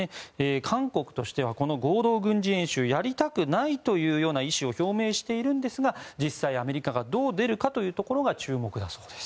韓国としてはこの合同軍事演習やりたくないというような意思を表明しているんですが実際、アメリカがどう出るかというところが注目だそうです。